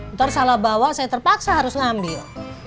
ntar salah bawa saya terpaksa harus ngambil